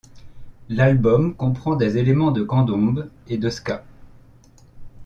L'album comprend des éléments de candombe et de ska.